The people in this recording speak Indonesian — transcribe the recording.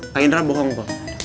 kak indra bohong pak